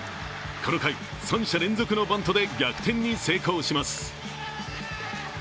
この回、三者連続のバントで逆転に成功します。